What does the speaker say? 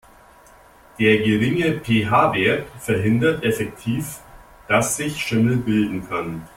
Der geringe PH-Wert verhindert effektiv, dass sich Schimmel bilden kann.